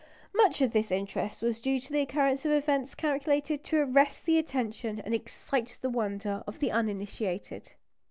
Much of this interest was due to the occurrence of events calculated to arrest the attention and excite the wonder of the uninitiated.